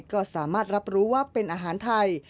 ก็สามารถรับรู้ว่าเป็นอาหารไทย